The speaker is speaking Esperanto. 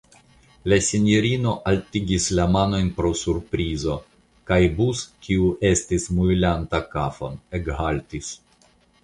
La sinjorino altigis la manojn pro surprizo, kaj Bus, kiu estis muelanta kafon, ekhaltis.